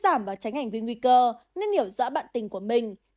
để giải quyết giảm và tránh ảnh viên nguy cơ nên hiểu rõ bạn tình của mình